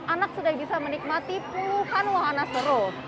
anak sudah bisa menikmati puluhan wahana seru